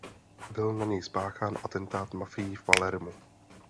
Byl na něj spáchán atentát mafií v Palermu.